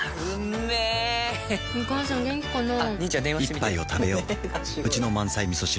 一杯をたべよううちの満菜みそ汁